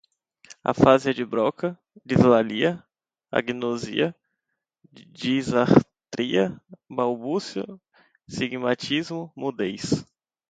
afasia de broca, dislalia, agnosia, disartria, balbucio, sigmatismo, mudez